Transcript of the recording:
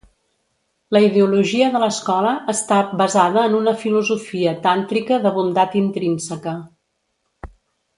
La ideologia de l'escola està "basada en una filosofia tàntrica de bondat intrínseca".